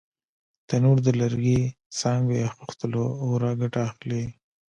تنور د لرګي، څانګو یا خښتو له اوره ګټه اخلي